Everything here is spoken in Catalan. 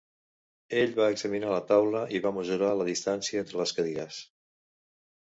Ell va examinar la taula i va mesurar la distància entre les cadires.